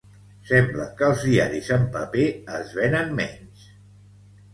Sembla que els diaris en paper es venen menys.